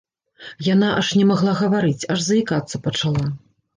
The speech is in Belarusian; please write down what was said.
Яна аж не магла гаварыць, аж заікацца пачала.